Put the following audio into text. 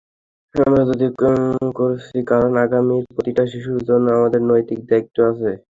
আমরা এটি করছি কারণ, আগামীর প্রতিটি শিশুর জন্য আমাদের নৈতিক দায়িত্ব আছে।